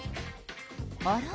あら？